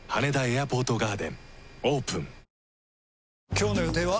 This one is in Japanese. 今日の予定は？